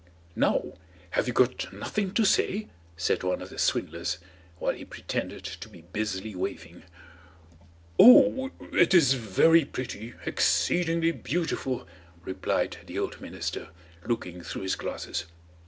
"Now, have you got nothing to say?" said one of the swindlers, while he pretended to be busily weaving. "Oh, it is very pretty, exceedingly beautiful," replied the old minister looking through his glasses.